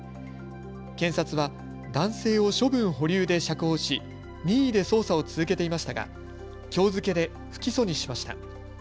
検察は男性を処分保留で釈放し任意で捜査を続けていましたがきょう付けで不起訴にしました。